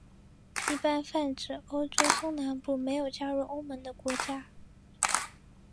一般泛指欧洲东南部没有加入欧盟的国家。